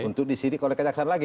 untuk disidik oleh kejaksaan lagi